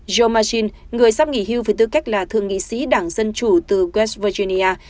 joe machine người sắp nghỉ hưu với tư cách là thượng nghị sĩ đảng dân chủ từ west virginia